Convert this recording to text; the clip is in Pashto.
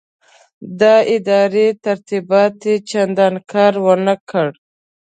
د ادارې ترتیبات یې چنداني کار ورنه کړ.